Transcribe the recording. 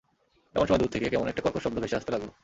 এমন সময় দূর থেকে কেমন একটা কর্কশ শব্দ ভেসে আসতে লাগল।